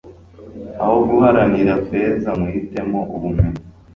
aho guharanira feza; muhitemo ubumenyi